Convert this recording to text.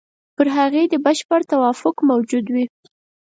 پر هغې دې بشپړ توافق موجود وي.